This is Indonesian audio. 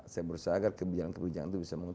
saya berusaha agar kebijakan kebijakan itu bisa mengubah